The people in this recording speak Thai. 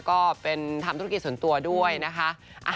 ก็เป็นทำธุรกิจส่วนตัวด้วยนะคะ